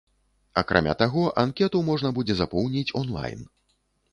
Акрамя таго, анкету можна будзе запоўніць онлайн.